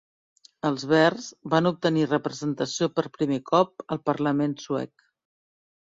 Els Verds van obtenir representació per primer cop al Parlament suec.